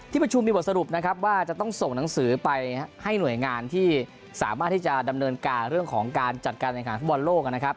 ประชุมมีบทสรุปนะครับว่าจะต้องส่งหนังสือไปให้หน่วยงานที่สามารถที่จะดำเนินการเรื่องของการจัดการแข่งขันฟุตบอลโลกนะครับ